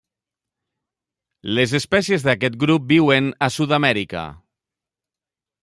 Les espècies d'aquest grup viuen a Sud-amèrica.